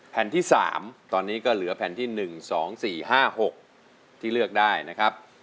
แผ่นที่สามตอนนี้ก็เหลือแผ่นที่หนึ่งสองสี่ห้าหกที่เลือกได้นะครับ